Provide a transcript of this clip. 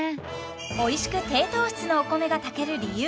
おいしく低糖質のお米が炊ける理由